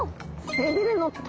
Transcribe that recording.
背びれの棘。